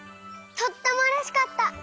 とってもうれしかった。